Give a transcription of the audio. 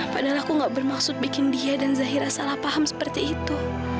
padahal aku gak bermaksud bikin dia dan zahira salah paham seperti itu